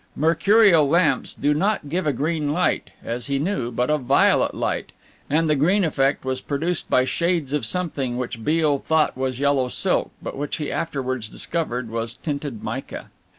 Mercurial lamps do not give a green light, as he knew, but a violet light, and the green effect was produced by shades of something which Beale thought was yellow silk, but which he afterwards discovered was tinted mica.